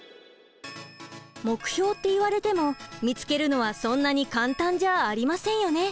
目標って言われても見つけるのはそんなに簡単じゃありませんよね？